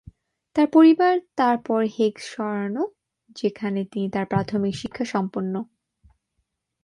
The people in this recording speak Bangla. তার পরিবার তারপর হেগ সরানো, যেখানে তিনি তার প্রাথমিক শিক্ষা সম্পন্ন।